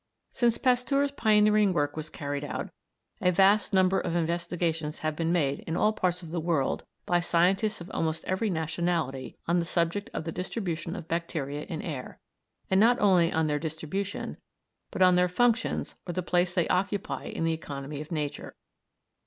Since Pasteur's pioneering work was carried out, a vast number of investigations have been made in all parts of the world by scientists of almost every nationality on the subject of the distribution of bacteria in air, and not only on their distribution, but on their functions or the place they occupy in the economy of nature.